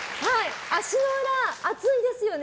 足の裏、熱いんですよね。